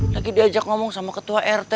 lagi diajak ngomong sama ketua rt